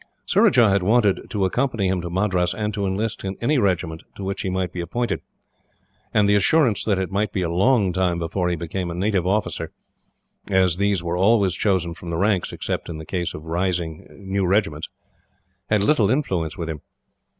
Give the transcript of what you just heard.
Surajah had wanted to accompany him to Madras, and to enlist in any regiment to which he might be appointed; and the assurance that it might be a long time before he became a native officer, as these were always chosen from the ranks, except in the case of raising new regiments, had little influence with him.